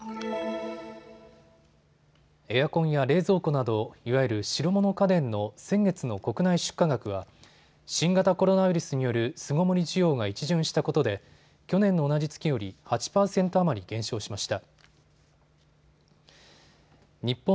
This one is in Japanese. エアコンや冷蔵庫などいわゆる白物家電の先月の国内出荷額は新型コロナウイルスによる巣ごもり需要が一巡したことで去年の同じ月より８％余り減少しました。